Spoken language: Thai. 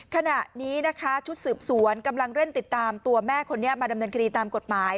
ขณะนี้นะคะชุดสืบสวนกำลังเร่งติดตามตัวแม่คนนี้มาดำเนินคดีตามกฎหมาย